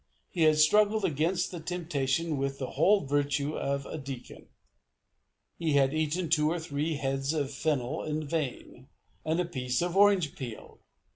He had struggled against the temptation with the whole virtue of a deacon. He had eaten two or three heads of fennel in vain, and a piece of orange peel.